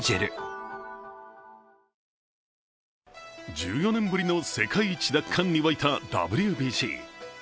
１４年ぶりの世界一奪還に湧いたＷＢＣ。